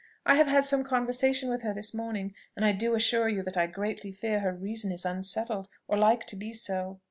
I have had some conversation with her this morning, and I do assure you that I greatly fear her reason is unsettled, or like to be so."